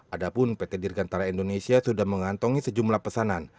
adapun pt dirgantara indonesia sudah mengantongi sejumlah pesanan